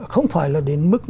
không phải là đến mức